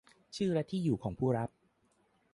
ชื่อและที่อยู่ของผู้รับ